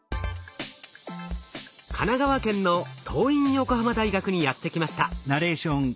神奈川県の桐蔭横浜大学にやって来ました。